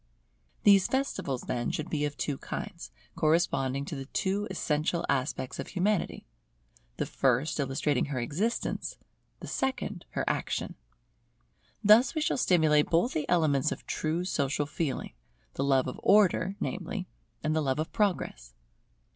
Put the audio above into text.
These festivals, then, should be of two kinds, corresponding to the two essential aspects of Humanity; the first illustrating her existence, the second her action. Thus we shall stimulate both the elements of true social feeling; the love of Order, namely, and the love of Progress.